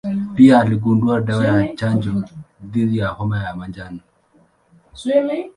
Pia aligundua dawa ya chanjo dhidi ya homa ya manjano.